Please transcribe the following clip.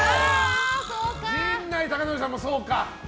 陣内孝則さんもそうか。